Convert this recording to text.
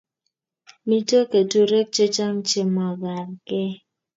Mito keturek chechang che makargei